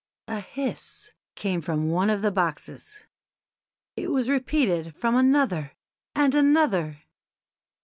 A hiss came from one of the boxes; it was repeated from another, and another.